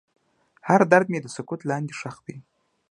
هر درد مې د سکوت لاندې ښخ دی.